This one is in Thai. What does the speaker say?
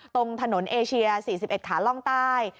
ตรงถนนเอเชีย๔๑ขาล่องใต้